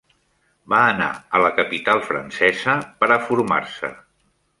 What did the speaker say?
Va anar a la capital francesa per a formar-se.